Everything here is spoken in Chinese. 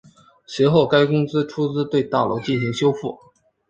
随后该公司出资对大楼进行修复。